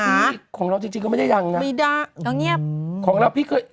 ความถึงของเราจริงจริงก็ไม่ได้ดังนะไม่ดังเอาเงียบ